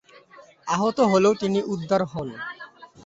আহত হলেও তিনি উদ্ধার হন।